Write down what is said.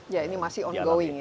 ya ini masih ongoing ya